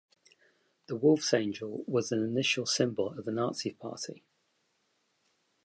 The Wolfsangel was an initial symbol of the Nazi Party.